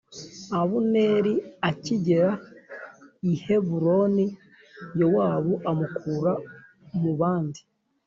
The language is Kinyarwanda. Abuneri akigera i Heburoni Yowabu amukura mu bandi